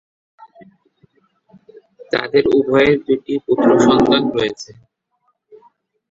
তাদের উভয়ের দুটি পুত্রসন্তান রয়েছে।